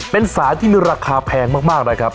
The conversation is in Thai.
เป็นสารที่มีราคาแพงมากนะครับ